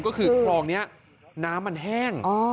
ก็คือคลองนี้น้ำมันแห้ง